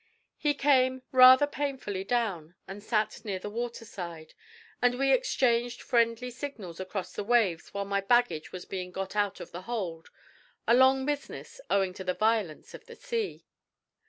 He came rather painfully down, and sat near the water side, and we exchanged friendly signals across the waves while my baggage was being got out of the hold a long business, owing to the violence of the sea.